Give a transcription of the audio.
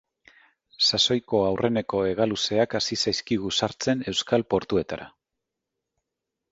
Sasoiko aurreneko hegaluzeak hasi zaizkigu sartzen euskal portuetara.